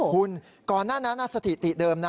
คุณก่อนหน้านั้นสถิติเดิมนะ